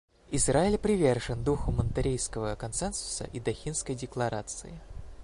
Израиль привержен духу Монтеррейского консенсуса и Дохинской декларации.